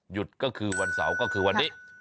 หยุดก็คือวันเสาร์ก็คือวันนี้